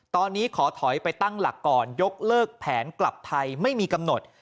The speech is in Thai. ตอนนี้ขอถอยไปตั้งหลักก่อนยกเลิกแผนกลับไทยไม่มีกำหนด